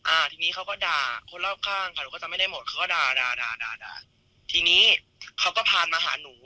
อ่าทีนี้เขาก็ด่าคนรอบข้างค่ะหนูก็จำไม่ได้หมดเขาก็ด่าทีนี้เขาก็ผ่านมาหาหนู